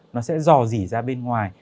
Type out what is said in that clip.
nó sẽ dò dỉ ra bên ngoài